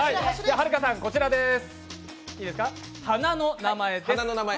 はるかさん、こちらです。